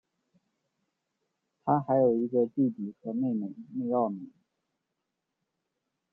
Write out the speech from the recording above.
他还有一个弟弟和妹妹内奥米。